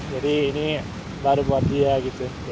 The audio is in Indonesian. jadi ini baru buat dia gitu